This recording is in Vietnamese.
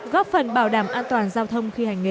góp phần bảo đảm an toàn giao thông khi hành nghề